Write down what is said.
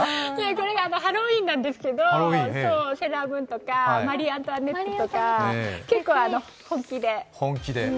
これがハロウィーンなんですけど、セーラームーンとか、マリー・アントワネットとか結構、本気で。